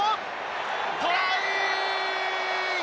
トライ！